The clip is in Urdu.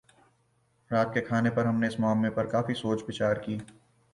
رات کے کھانے پر ہم نے اس معمے پر کافی سوچ بچار کی